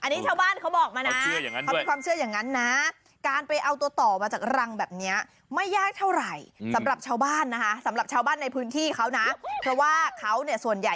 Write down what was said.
อันนี้ชาวบ้านเขาบอกมานะเขามีความเชื่ออย่างนั้นนะ